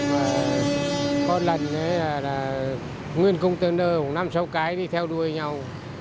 và có lần là nguyên container năm sáu cái đi theo đuôi nhau